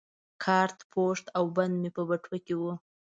کارت پوښ او بند مې په بټوه کې وو.